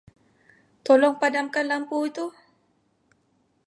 Tolong padamkan lampu itu.